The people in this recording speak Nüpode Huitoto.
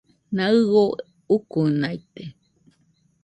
Naɨio ukunaite